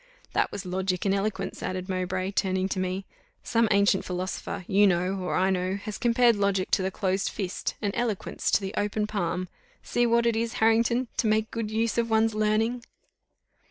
"That was logic and eloquence," added Mowbray, turning to me. "Some ancient philosopher, you know, or I know, has compared logic to the closed fist, and eloquence to the open palm. See what it is, Harrington, to make good use of one's learning."